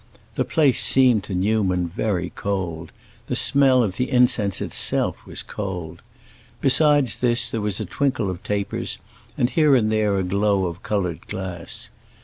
The place seemed to Newman very cold; the smell of the incense itself was cold. Besides this there was a twinkle of tapers and here and there a glow of colored glass.